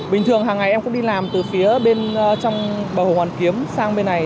bình thường hàng ngày em cũng đi làm từ phía bên trong bờ hồ hoàn kiếm sang bên này